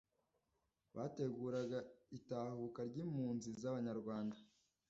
bateguraga itahuka ry'impunzi z'abanyarwanda,